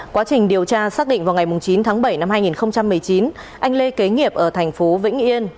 quá trình điều tra xác định vào ngày chín tháng bảy năm hai nghìn một mươi chín anh lê kế nghiệp ở thành phố vĩnh yên